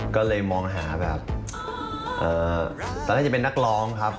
ก็เลยมองหาแบบตอนนั้นจะเป็นนักร้องครับ